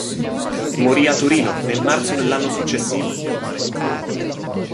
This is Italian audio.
Morì a Torino nel marzo dell'anno successivo.